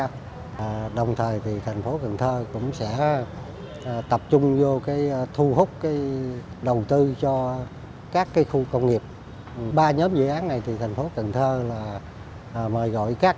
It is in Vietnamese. mời gọi các nhà đầu tư trong và ngoài nước